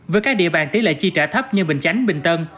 với các địa bàn tỷ lệ chi trả thấp như bình chánh bình tân